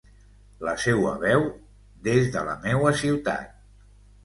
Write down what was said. La seua veu des de la meua ciutat.